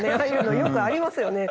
よくありますよね。